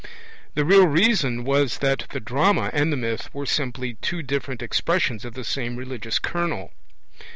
The real reason was that the drama and the myth were simply two different expressions of the same religious kernel (p.